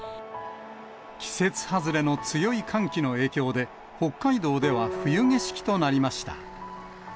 季節外れの強い寒気の影響で、北海道では冬景色となりました。